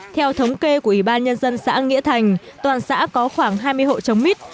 theo thống kê của ủy ban nhân dân xã nghĩa thành toàn xã có khoảng hai mươi hộ trồng mít